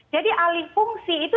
jadi alih fungsi itu